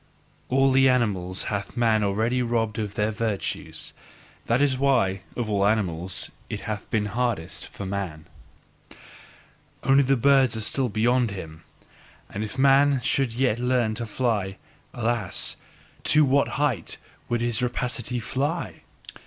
All the animals hath man already robbed of their virtues: that is why of all animals it hath been hardest for man. Only the birds are still beyond him. And if man should yet learn to fly, alas! TO WHAT HEIGHT would his rapacity fly!